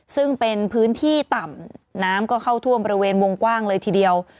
ซึ่งเป็นพื้นที่ต่ำน้ำก็เข้าท่วมบริเวณวงกว้างเลยทีเดียว